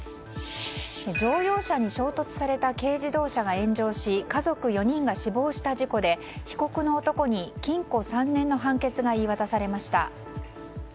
乗用車に衝突された軽自動車が炎上し家族４人が死亡した事故で被告の男に禁錮３年の判決が言い渡されました。